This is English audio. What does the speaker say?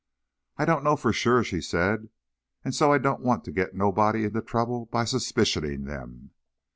"I don't know for sure," she said, "and so I don't want to get nobody into trouble by suspicioning them."